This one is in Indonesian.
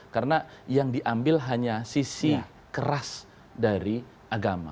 karena yang diambil hanya sisi keras dari agama